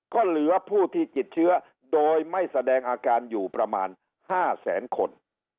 ก็เหลือผู้ที่ติดเชื้อโดยไม่แสดงอาการอยู่ประมาณ๕แสนคน